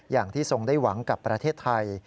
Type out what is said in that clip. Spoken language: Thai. อย่างที่ทรงได้หวังกับประเทศไทย